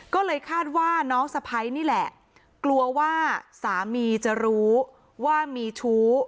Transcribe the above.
ก็เลยคาดว่าน้องสะพ้ายนี่แหละกลัวว่าสามีจะรู้ว่ามีชู้